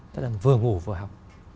tức là vừa ngủ vừa học